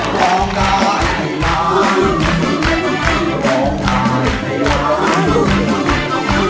ร้องได้